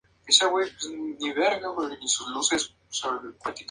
Forma parte de la producción cinematográfica de la Época de oro del cine mexicano.